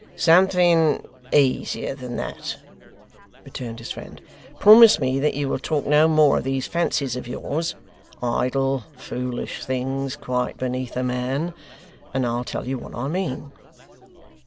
'Something easier than that,' returned his friend. 'Promise me that you will talk no more of these fancies of yours idle, foolish things, quite beneath a man and I'll tell you what I mean.